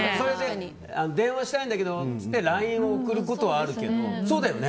電話したいんだけどってＬＩＮＥを送ることはあるけど。